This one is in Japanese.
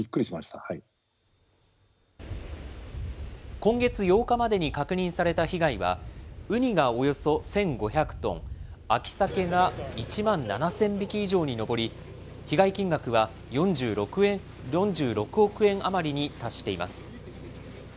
今月８日までに確認された被害は、ウニがおよそ１５００トン、秋サケが１万７０００匹以上に上り、被害金額は４６億円余りに達しています。